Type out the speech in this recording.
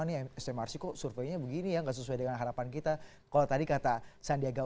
nih smrc kok surveinya begini ya nggak sesuai dengan harapan kita kalau tadi kata sandiaga